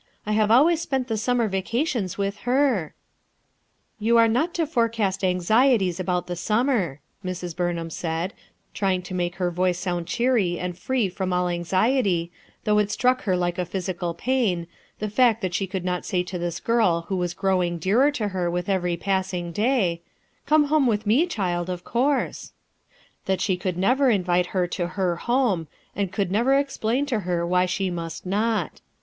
I have always spent the summer vacations with her." "You are not to forecast anxieties about the summer," Mrs. Burnham said, trying to make her voice sound cheery and free from all anx iety, though it struck her like a physical pain, the fact that she coukl not say to this girl who was growing dearer to her with every passing day, "Come home with mc, child, of course;" that she could never invite her to her home, and could never explain to her why she must not.